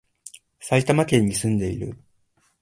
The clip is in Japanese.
埼玉県に、住んでいる